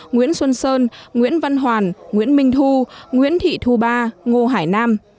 nguyễn xuân sơn nguyễn văn hoàn nguyễn minh thu nguyễn thị thu ba ngô hải nam